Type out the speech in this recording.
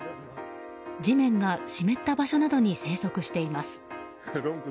地面が湿った場所などに生息しています。